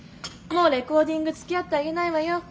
もうレコーディングつきあってあげないわよ。